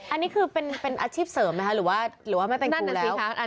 อันนี้คือเป็นอาชีพเสริมไหมหรือว่าไม่แต่งครูแล้ว